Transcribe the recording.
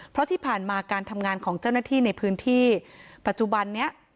เพราะที่ผ่านมาการทำงานของเจ้าหน้าที่ในพื้นที่ปัจจุบันนี้